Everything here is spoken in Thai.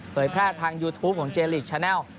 แพร่ทางยูทูปของเจลิกชาแนล